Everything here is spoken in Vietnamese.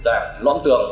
dạng lõm tường